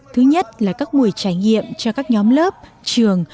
thứ nhất là các buổi trải nghiệm cho các nhóm lớp trường